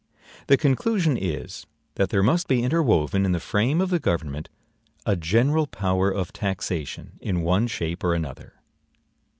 The conclusion is, that there must be interwoven, in the frame of the government, a general power of taxation, in one shape or another.